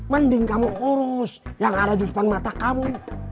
mending kamu urus yang ada di depan mata kamu